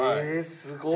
すごい！